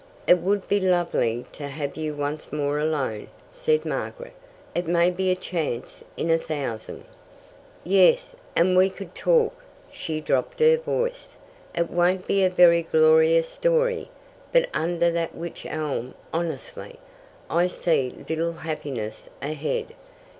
"It would be lovely to have you once more alone," said Margaret. "It may be a chance in a thousand." "Yes, and we could talk." She dropped her voice. "It won't be a very glorious story. But under that wych elm honestly, I see little happiness ahead.